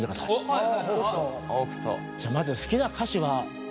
はい。